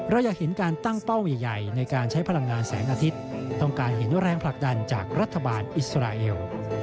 เราอยากเห็นการตั้งเป้าใหญ่ในการใช้พลังงานแสงอาทิตย์ต้องการเห็นแรงผลักดันจากรัฐบาลอิสราเอล